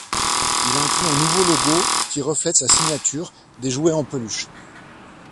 Il inclut un nouveau logo, qui reflète sa signature, des jouets en peluche.